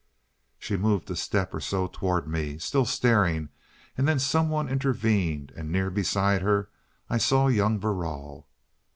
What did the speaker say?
She moved a step or so toward me, still staring, and then someone intervened, and near beside her I saw young Verrall.